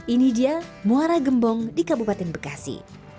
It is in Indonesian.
ini dia muara gembong di kabupaten bekasi